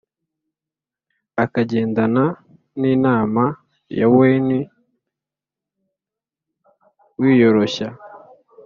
ukagendana n Imana yawen wiyoroshya